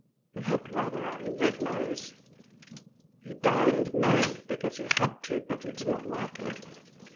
He had rather a red nose, he dined maigre because he had to, but he did not like it.